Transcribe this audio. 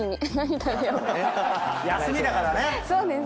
休みだからね。